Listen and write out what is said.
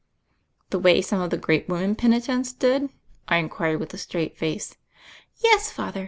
"The way some of the great women penitents did?" I inquired with a straight face. "Yes, Father.